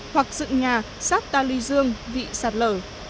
hoặc dựng nhà sát ta ly dương vị sạt lở